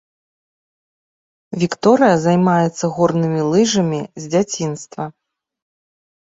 Вікторыя займаецца горнымі лыжамі з дзяцінства.